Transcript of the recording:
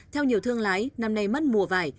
theo nhiều thương lái năm nay mất mùa vải